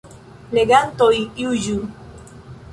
Legantoj juĝu.